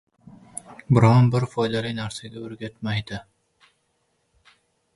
biron-bir foydali narsaga o‘rgatmaydi.